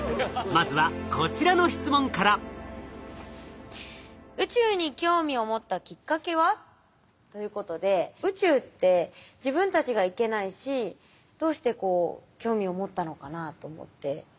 まずはこちらの質問から。ということで宇宙って自分たちが行けないしどうしてこう興味を持ったのかなと思って。